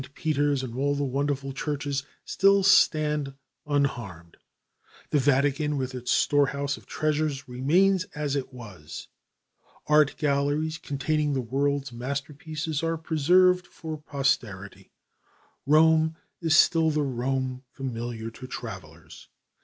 Peter's and all the wonderful churches still stand unharmed. The Vatican with its storehouse of treasures remains as it was. Art galleries containing world's masterpieces are preserved for posterity. Rome is still the Rome familiar to travelers.